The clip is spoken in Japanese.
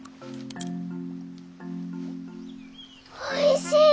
おいしい！